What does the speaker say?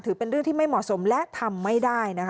เป็นเรื่องที่ไม่เหมาะสมและทำไม่ได้นะคะ